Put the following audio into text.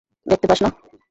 দেখতে পাস না?